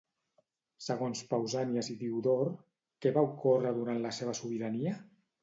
Segons Pausànies i Diodor, què va ocórrer durant la seva sobirania?